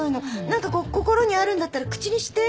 何か心にあるんだったら口にして。